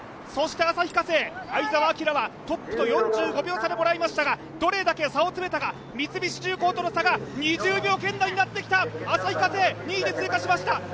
そして旭化成・相澤晃はトップと４５秒差でたすきをもらいましたが、どれだけ差を詰めたか、三菱重工との差が２０秒圏内になってきた、旭化成２位で通過しました。